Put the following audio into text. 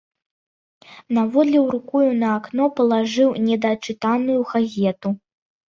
Наводліў рукою на акно палажыў недачытаную газету.